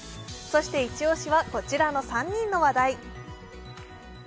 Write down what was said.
そしてイチ押しはこちらの３人の話題。